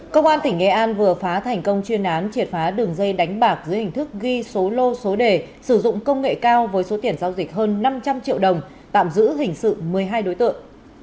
công an tỉnh nghệ an vừa phá thành công chuyên án triệt phá đường dây đánh bạc dưới hình thức ghi số lô số đề sử dụng công nghệ cao với số tiền giao dịch hơn năm trăm linh triệu đồng tạm giữ hình sự một mươi hai đối tượng